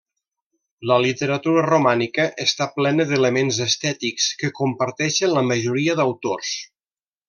La literatura romànica està plena d'elements estètics que comparteixen la majoria d'autors.